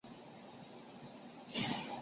博雷的总面积为平方公里。